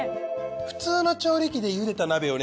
普通の調理器でゆでた鍋をね